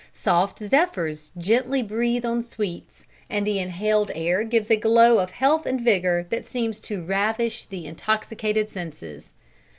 Soft zephyrs gently breathe on sweets, and the inhaled air gives a glow of health and vigor that seems to ravish the intoxicated senses."